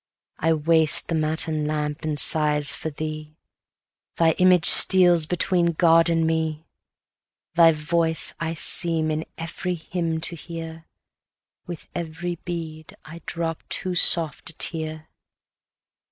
I waste the matin lamp in sighs for thee, Thy image steals between my God and me, Thy voice I seem in every hymn to hear, With every bead I drop too soft a tear.